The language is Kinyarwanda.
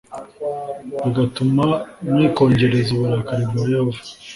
bigatuma mwikongereza uburakari bwa Yehova,